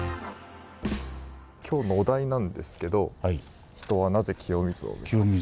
今日のお題なんですけど「人はなぜ清水を目指す？」。